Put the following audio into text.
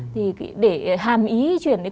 thì để hàm ý chuyển đến cô ấy